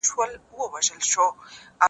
کوم لوبغاړی په میدان کې تر ټولو ډېر ځلیږي؟